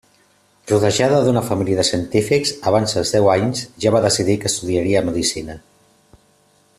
Rodejada d'una família de científics, abans dels deu anys ja va decidir que estudiaria medicina.